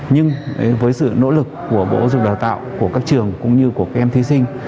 nhưng với sự nỗ lực của bộ giáo dục đào tạo của các trường cũng như của các em thí sinh